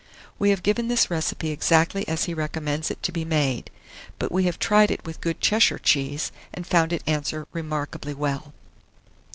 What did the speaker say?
We have given this recipe exactly as he recommends it to be made; but we have tried it with good Cheshire cheese, and found it answer remarkably well.